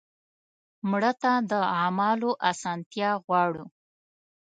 مړه ته د اعمالو اسانتیا غواړو